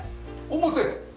表。